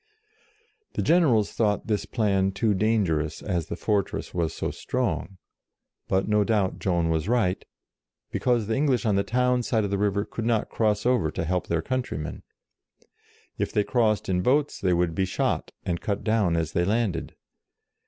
The generals thought this plan too dan gerous, as the fortress was so strong; but no doubt Joan was right, because the English on the town side of the river could not cross over to help their countrymen. If they crossed in boats, they would be shot, and cut down as they landed.